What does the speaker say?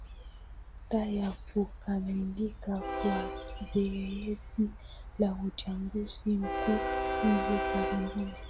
da ya kukamilika kwa zoezi la uchaguzi mkuu hivi karibuni